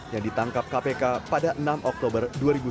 yang ditangkap kpk pada enam oktober dua ribu sembilan belas